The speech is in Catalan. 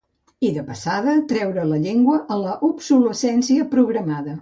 I, de passada, treure la llengua a l’obsolescència programada.